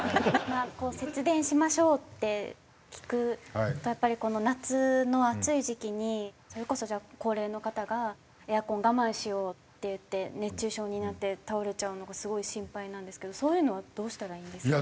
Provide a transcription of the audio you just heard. こう「節電しましょう」って聞くとやっぱりこの夏の暑い時期にそれこそじゃあ高齢の方がエアコンを我慢しようっていって熱中症になって倒れちゃうのがすごい心配なんですけどそういうのはどうしたらいいんですか？